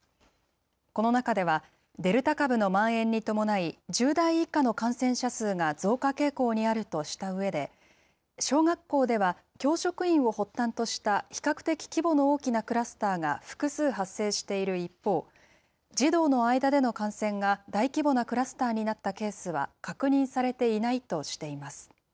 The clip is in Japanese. この中では、デルタ株のまん延に伴い、１０代以下の感染者数が増加傾向にあるとしたうえで、小学校では、教職員を発端とした比較的規模の大きなクラスターが複数発生している一方、児童の間での感染が大規模なクラスターになったケースは、確認されていないとしています。